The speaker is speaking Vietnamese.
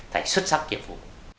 thành xuất sắc kiệp vụ